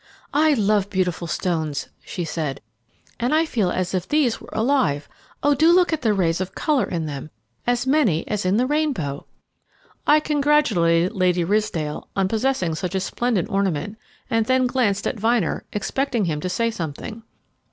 "I love beautiful stones," she said, "and I feel as if these were alive. Oh, do look at the rays of colour in them, as many as in the rainbow." I congratulated Lady Ridsdale on possessing such a splendid ornament, and then glanced at Vyner, expecting him to say something.